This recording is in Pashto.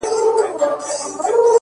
سور زېږوي راته سرور جوړ كړي”